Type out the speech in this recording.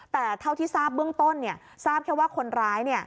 แต่เท่าที่ทราบเบื้องต้นเนี่ยทราบแค่ว่าคนร้ายเนี่ย